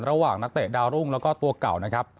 ระหว่างนักเตะดาวรุ่งแล้วก็ตัวก่อนนะครับ